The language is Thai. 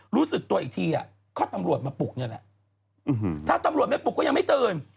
รู้สึกตัวอีกทีก็ตำรวจมาปลุกนี่แหละถ้าตำรวจไม่ปลุกก็ยังไม่ตื่น